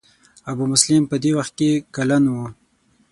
ابو مسلم په دې وخت کې کلن و.